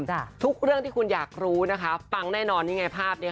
ทุกเรื่องที่คุณอยากรู้นะคะฟังแน่นอนนี่ไงภาพเนี้ยค่ะ